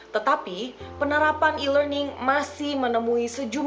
tetapi penerapan e learning masih menemui sejauh ini